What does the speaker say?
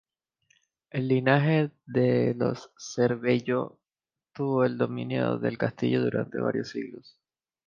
El linaje de los Cervelló tuvo el dominio del castillo durante varios siglos.